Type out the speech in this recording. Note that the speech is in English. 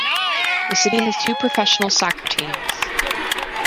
The city has two professional soccer teams.